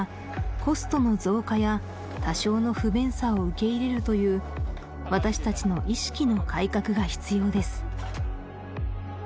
多少の不便さを受け入れるという私たちの意識の改革が必要です